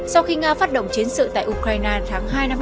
sau khi nga phát động chiến sự tại ukraine tháng hai năm hai nghìn hai mươi